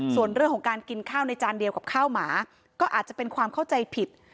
ส่วนเรื่องของการกินข้าวในจานเดียวกับข้าวหมาก็อาจจะเป็นความเข้าใจผิด